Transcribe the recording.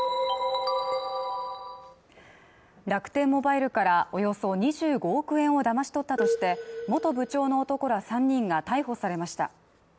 楽天モバイルからおよそ２５億円をだまし取ったとして元部長の男ら３人が逮捕されました。